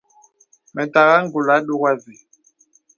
Mə tàgā ngùlà ndɔ̄gà və.